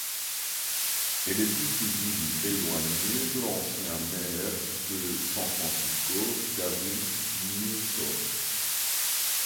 Elle est une cousine éloignée de l'ancien maire de San Francisco Gavin Newsom.